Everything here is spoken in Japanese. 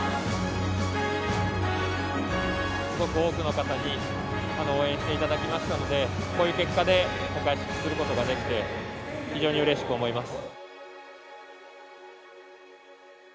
すごく多くの方に応援していただきましたのでこういう結果でお返しすることができて非常にうれしく思います。